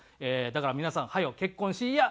だから皆さん早う結婚しいや！